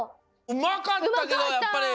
うまかったけどやっぱり。